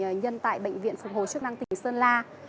bệnh nhân tại bệnh viện phục hồi chức năng tỉnh sơn la